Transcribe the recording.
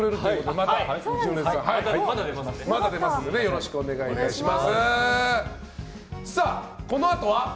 また出ますのでよろしくお願いいたします。